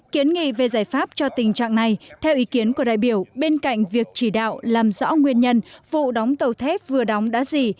kiến nghị về giải pháp cho tình trạng này theo ý kiến của đại biểu bên cạnh việc chỉ đạo làm rõ nguyên nhân vụ đóng tàu thép vừa đóng đã gì